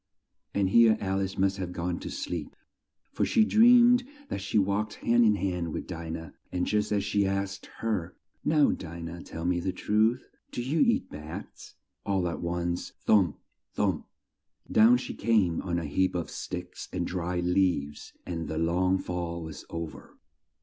And here Al ice must have gone to sleep, for she dreamed that she walked hand in hand with Di nah, and just as she asked her, "Now, Di nah, tell me the truth, do you eat bats?" all at once, thump! thump! down she came on a heap of sticks and dry leaves, and the long fall was o ver.